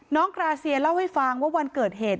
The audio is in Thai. กราเซียเล่าให้ฟังว่าวันเกิดเหตุ